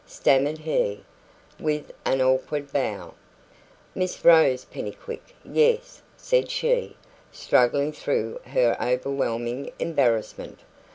stammered he, with an awkward bow. "Miss Rose Pennycuick yes," said she, struggling through her overwhelming embarrassment.